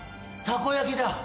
たこ焼きだ。